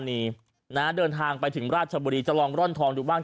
นี่นะฮะเดินทางไปถึงราชบุรีจะลองร่อนทองดูบ้าง